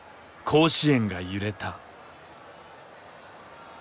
甲子園が揺れた。